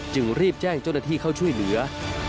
จึงรีบแจ้งเจ้าหน้าที่เข้าช่วยเหลือ